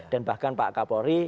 dan bahkan pak kapolri